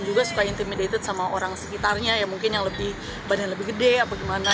juga suka intimidated sama orang sekitarnya ya mungkin yang lebih bannya lebih gede apa gimana